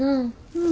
うん。